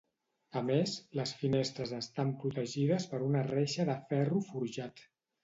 A més, les finestres estan protegides per una reixa de ferro forjat.